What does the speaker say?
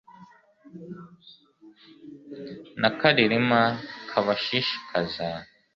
na karirima kabashishikaza